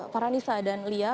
para nisa dan lia